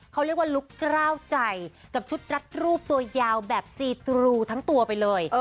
เขาเรียกว่าลุคกล้าวใจกับชุดรัดรูปตัวยาวแบบซีตรูทั้งตัวไปเลย